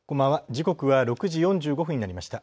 時刻は６時４５分になりました。